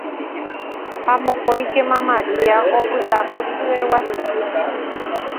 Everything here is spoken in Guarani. ha vokóikema Maria opytákuri hyeguasu